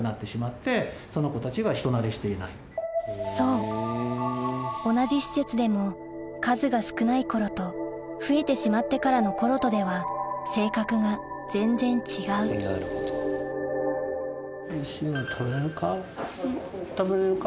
そう同じ施設でも数が少ない頃と増えてしまってからの頃とでは性格が全然違うよし今なら食べられるか？